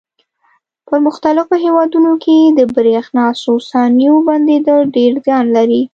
په پرمختللو هېوادونو کې د برېښنا څو ثانیو بندېدل ډېر زیان لري.